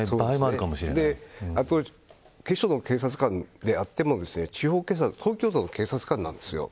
あと、警視庁の警察官であっても地方警察東京都の警察官なんです。